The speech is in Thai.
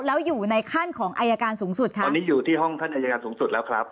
แล้วอยู่ในขั้นของอายการสูงสุดค่ะตอนนี้อยู่ที่ห้องท่านอายการสูงสุดแล้วครับ